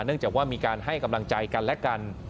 เนื่องจากว่ามีการให้กำลังใจกันและกัน